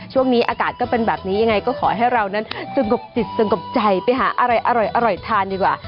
ช่วงนี้อากาศก็เป็นแบบนี้ยังไงก็ขอให้เรานั้นสงบจิตสงบใจไปหาอะไรอร่อยทานดีกว่า